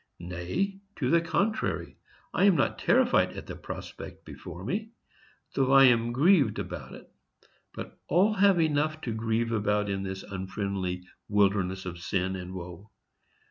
Nay, to the contrary, I am not terrified at the prospect before me, though I am grieved about it; but all have enough to grieve about in this unfriendly wilderness of sin and woe.